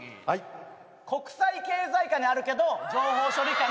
国際経済科にあるけど情報処理科にはない。